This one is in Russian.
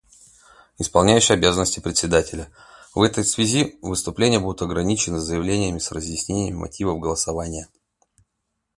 Исполняющий обязанности Председателя: В этой связи выступления будут ограничены заявлениями с разъяснением мотивов голосования.